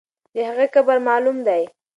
د هغې قبر معلوم دی.